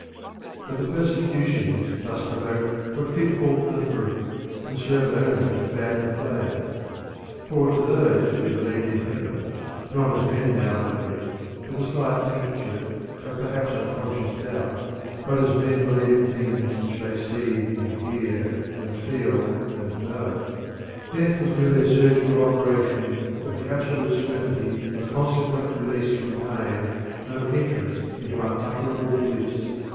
But the persecutions thus provoked were fitful and brief, and served only to fan the flame. For to those who believed in heaven not as men now believe, with a slight tincture of perhaps unconscious doubt, but as men believe in things which they see and hear and feel and know death was merely a surgical operation with the absolute certainty of consequent release from pain and of entrance into unutterable bliss.